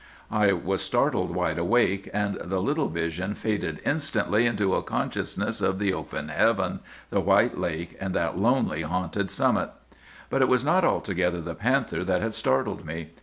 "I was startled wide awake; and the little vision faded instantly into a consciousness of the open heaven, the white lake, and that lonely, haunted summit. "But it was not altogether the panther that had startled me.